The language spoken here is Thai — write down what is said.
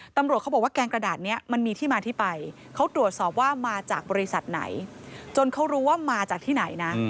ตำรวจเขาบอกว่าแกงกระดาษนี้มันมีที่มาที่ไปเขาตรวจสอบว่ามาจากบริษัทไหนจนเขารู้ว่ามาจากที่ไหนนะ